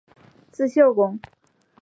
字孝公。